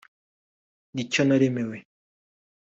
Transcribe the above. Nicyo naremewe